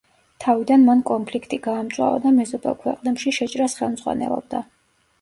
თავიდან მან კონფლიქტი გაამწვავა და მეზობელ ქვეყნებში შეჭრას ხელმძღვანელობდა.